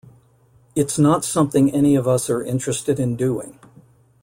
It's not something any of us are interested in doing.